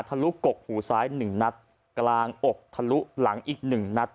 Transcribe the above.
ลุกกหูซ้าย๑นัดกลางอกทะลุหลังอีก๑นัด